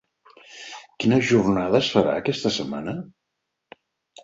Quina jornada es farà aquesta setmana?